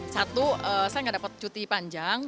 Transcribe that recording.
satu saya nggak dapat cuti panjang